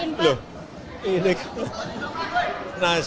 kita harus main pak